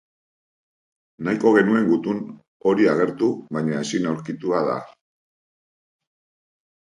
Nahiko genuen gutun hori agertu, baina ezin aurkitua da.